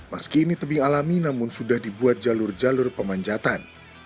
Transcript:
meski ini tebing alami namun sudah dibuat jalur jalur pemanjatan